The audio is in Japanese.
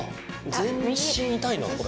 全身痛いなこれ。